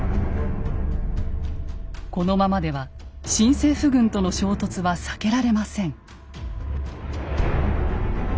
このままでは新政府軍との衝突は避けられません。